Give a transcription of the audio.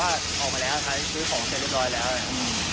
แต่ว่าออกมาแล้วค่ะซื้อของเสร็จเรียบร้อยแล้วอืม